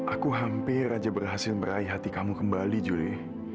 aku hampir aja berhasil meraih hati kamu kembali julie